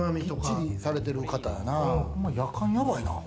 やかん、やばいな。